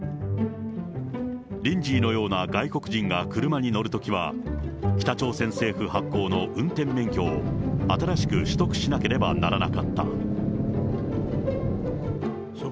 リンジーのような外国人が車に乗るときは、北朝鮮政府発行の運転免許を新しく取得しなければならなかった。